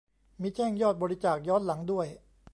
มีแจ้งยอดบริจาคย้อนหลังด้วย